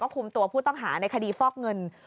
คุมตัวผู้ต้องหาในคดีฟอกเงิน